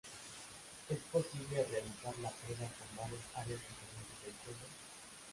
Es posible realizar la prueba con varias áreas diferentes del cielo.